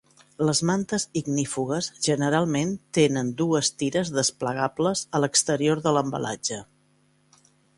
Les mantes ignífugues generalment tenen dues tires desplegables a l'exterior de l'embalatge.